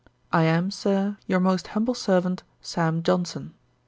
I am, Sir, 'Your most humble servant, 'SAM JOHNSON.'